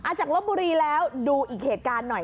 จากลบบุรีแล้วดูอีกเหตุการณ์หน่อย